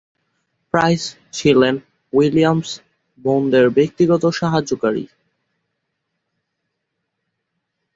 Price ছিলেন Williams বোনদের ব্যক্তিগত সহকারী।